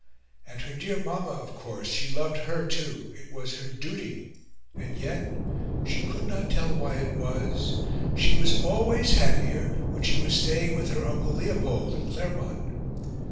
And her dear Mamma, of course, she loved her too; it was her duty; and yet she could not tell why it was she was always happier when she was staying with her Uncle Leopold at Claremont.